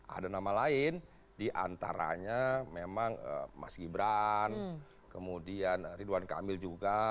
ada nama lain diantaranya memang mas gibran kemudian ridwan kamil juga